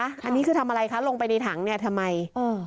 อันนี้คือทำอะไรคะลงไปในถังเนี่ยทำไมเออ